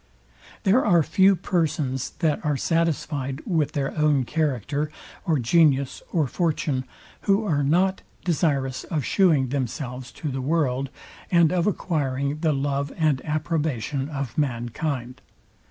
There are few persons, that are satisfyed with their own character, or genius, or fortune, who are nor desirous of shewing themselves to the world, and of acquiring the love and approbation of mankind.